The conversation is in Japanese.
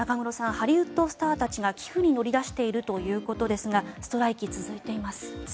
ハリウッドスターたちが寄付に乗り出しているということですがストライキ、続いています。